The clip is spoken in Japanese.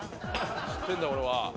知ってんだ俺は。